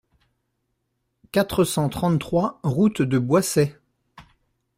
quatre cent trente-trois route de Boissey